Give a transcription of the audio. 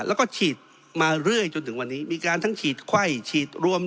แล้วก็ฉีดมาเรื่อยจนถึงวันนี้มีการทั้งฉีดไข้ฉีดรวม